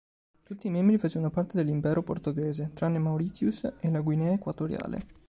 Tutti i membri facevano parte dell'Impero portoghese, tranne Mauritius e la Guinea Equatoriale.